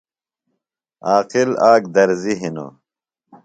عاقل آک درزی ہِنوۡ۔